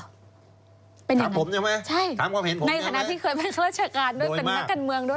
ถามผมใช่ไหมในคณะที่เคยเป็นข้าราชการเป็นนักการเมืองด้วย